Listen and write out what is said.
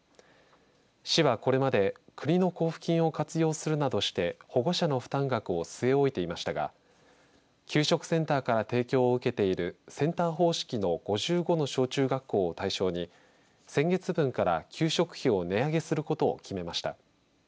市はこれまで国の交付金を活用するなどして保護者の負担額を据え置いていましたが給食センターから提供を受けているセンター方式の５５の小中学校を対象に先月分から給食費を値上げすることを決めました。